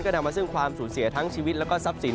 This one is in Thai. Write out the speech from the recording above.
นำมาซึ่งความสูญเสียทั้งชีวิตแล้วก็ทรัพย์สิน